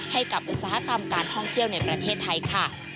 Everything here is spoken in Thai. อุตสาหกรรมการท่องเที่ยวในประเทศไทยค่ะ